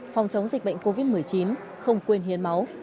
phòng chống dịch bệnh covid một mươi chín không quên hiến máu